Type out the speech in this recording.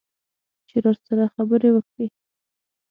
چې راسره خبرې وکړي.